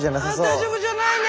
大丈夫じゃないね。